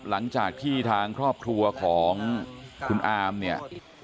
หลังจากที่ทางครอบครัวของคุณอามเนี่ย